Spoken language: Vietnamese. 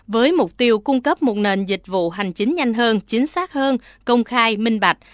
với mục tiêu cung cấp một nền dịch vụ hành chính nhanh hơn chính xác hơn công khai minh bạch